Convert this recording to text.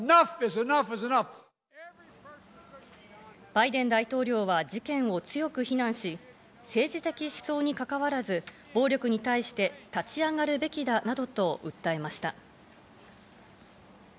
バイデン大統領は事件を強く非難し、政治的思想にかかわらず、暴力に対して立ち上がるべきだなどと訴えました。